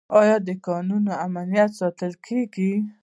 آیا د کانونو امنیت ساتل کیږي؟